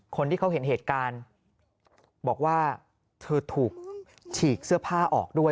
คนที่เขาเห็นเหตุการณ์บอกว่าเธอถูกฉีกเสื้อผ้าออกด้วย